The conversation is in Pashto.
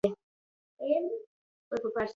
د ژوندون تلویزیون ماڼۍ ته ورغلو.